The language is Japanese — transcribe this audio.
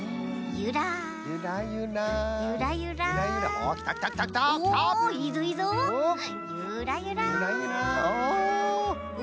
ゆらゆらお。